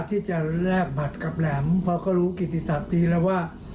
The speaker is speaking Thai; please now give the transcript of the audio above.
ที่จะแลกบัตรกับแหลมเพราะเขารู้กิติศัพดีแล้วว่า